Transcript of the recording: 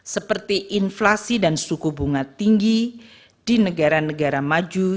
seperti inflasi dan suku bunga tinggi di negara negara maju